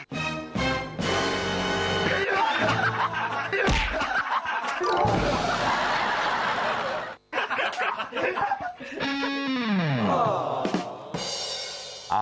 มา